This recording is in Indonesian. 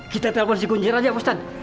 kita telepon si kuncir aja pak ustadz